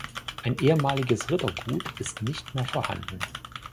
Ein ehemaliges Rittergut ist nicht mehr vorhanden.